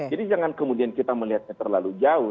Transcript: jadi jangan kemudian kita melihatnya terlalu jauh